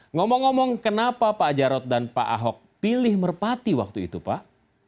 ngomong ngomong kenapa pak jarod dan pak ahok pilih merpati waktu itu pak